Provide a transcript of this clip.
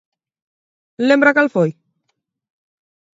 ¿Lembra cal foi?